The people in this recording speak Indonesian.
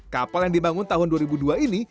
kapal yang dibangun tahun dua ribu dua ini